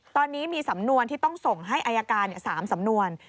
ตอนนี้มีสำนวนที่ต้องส่งให้อายการ๓สำนวน